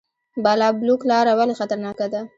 بالابلوک لاره ولې خطرناکه ده؟